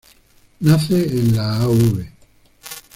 Nace en la Av.